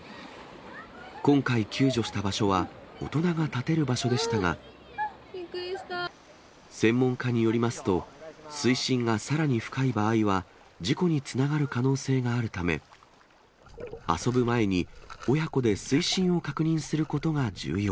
今回、救助した場所は大人が立てる場所でしたが、専門家によりますと、水深がさらに深い場合は、事故につながる可能性があるため、遊ぶ前に親子で水深を確認することが重要。